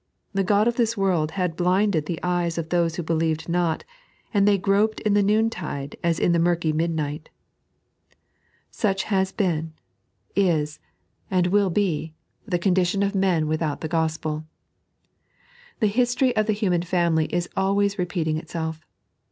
The god of this world had blinded the eyes of those who believed not, and they gn^d in the noontide as in the murky midnight. Such has been, is, and 3.n.iized by Google Salt and Light. 37 will be, the condition of men without the GospeL The history of the huinan family is always repeating itself.